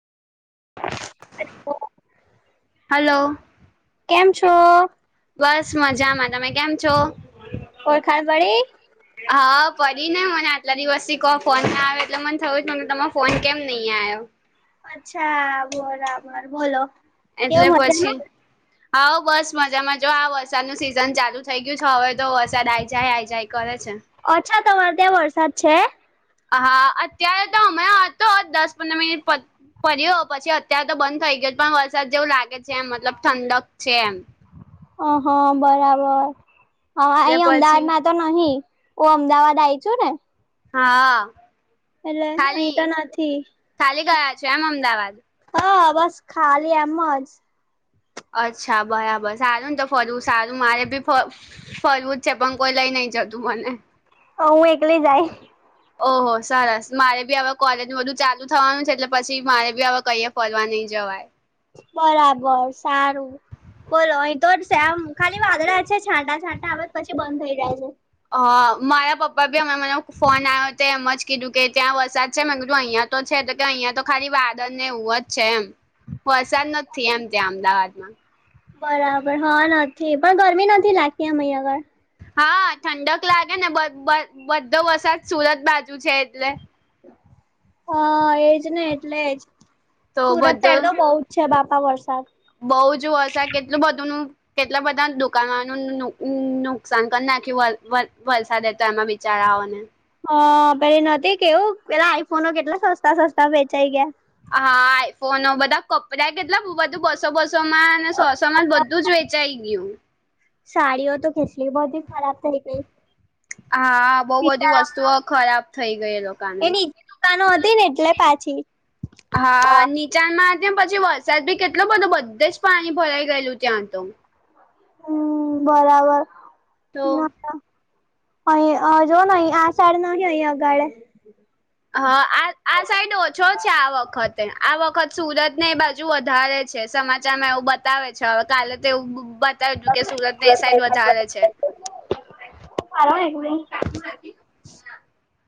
Hello કેમ છો? બસ, મજામાં. તમે કેમ છો? ઓળખાણ પડી? હા, પડી ને. મને આટલા દિવસથી કો ફોન ના આવે એટલે મને થયું કે તમે ફોન કેમ નહીં આયો. અચ્છા, બરાબર. બોલો. એટલે કેવું પછી મજામાં? હા, બસ મજામાં. જો, વરસાદની સિઝન ચાલુ થઈ ગઈ છે, હવે તો વરસાદ આઈ જાય, આઈ જાય કરે છે. અચ્છા, તમાર ત્યાં વરસાદ છે? હા, અત્યારે તો દસ-પંદર મિનિટમાં પ ફર્યો પછી અત્યારે તો બંધ થઈ ગયો, પણ વરસાદ જેવું લાગે છે એમ, મતલબ ઠંડક છે એમ. અહ હા, બરાબર, એટલે અ-અહીં પછી અમદાવાદમાં તો નહીં, હું અમદાવાદ આઈ છું ને હા. એટલે ખાલી અહીં તો નથી. ખાલી ગયા છે આમ, અમદાવાદ? હા, બસ ખાલી એમ જ. અચ્છા, બરાબર. સારું ને તો ફરવું સારું, મારે બી ફ ફરવું છે જ, પણ કોઈ લઈ જતું મને. હું એકલી જાઈ ઓહો, સરસ. મારે પણ હવે કોલેજ બધું ચાલુ થવાનું છે, એટલે પછી મારે પણ હવે કંઈએ ફરવા નહીં જવાય. બરાબર સારું. બોલો, અહીં તો સેમ આમ ખાલી વાદળાં છે. છાંટા-છાંટા આવે, પછી બંધ થઈ જાય છે. હા, મારા પપ્પાનો પણ ફોન આવ્યો હતો. એમ જ કહ્યું કે ત્યાં વરસાદ છે. મેં કીધું અહંયા તો છે તો કે અહીંયા તો ખાલી વાદળાં ને ઉવ જ છે એમ. વરસાદ નત થઈ એમ ત્યાં અમદાવાદ માં. બરાબર હા નથી પણ ગરમી પણ નથી લાગતી અમે આઈ આગળ. હા, ઠંડક લાગે ને, બંધ બંધ બધો સુરત બાજુ છે એટલે. હા, એજ ને એટલે જ. તો સુરત બધો શહેર તો બહુ છે બાપા વરસાદ. બઉ જ વરસાદ કેટલું બધું નું કેટલા બધા દુકાનોનુ ઉ નું નુકસાન કર નાખ્યું વલ વલ વલસાદ ને ત્યાં ના બી. ચાળાઓ ને. અહ પેલી નતી કેવું પેલા આઈ ફોનો કેટલા સસ્તા સસ્તા વેચાઈ ગયા હા આઈ ફોનો બધા કપરા કેટલા બ બધું બસો બસો માં અને સો સો માં બધું જ વે ચાઈ ગયું. સાડીઓ તો કેટલી બધી ખરાબ થઈ ગઈ. હા બઉ બધી સીતારામ વસ્તુઓ ખરાબ થઇ ગઈ એ લોકાને. કાનો હતી ને એટલે પાછી હા, નીચાણમાં તે પછી વરસાદ ભી કેટલો બધો બધે જ પાણી ભરાઈ ગયેલું ત્યાં તો. હમ્મ, બરાવર તો ના ત્યાં અહી આજો નઈ આ સાડી નાખી ને અહીં આગાળે હા આ આ સાઈડ ઓછો છે આ વખતે આ વખત સુરત ને એ બાજુ વધારે છે સમાચામાં એવું બ તાવે છે હવે કાલે તો બ-બતાવું કે સુરત ને એ સાઈડ વધારે છે. ખાલો ને એક મઈ